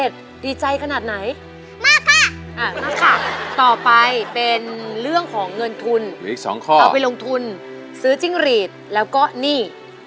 เอาไปลงทุนซื้อจิ้งหรีดแล้วก็หนี้